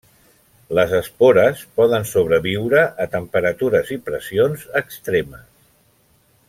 Les espores poden sobreviure a temperatures i pressions extremes.